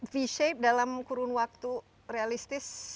v shape dalam kurun waktu realistis